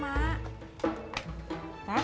wa'alaikum salam mak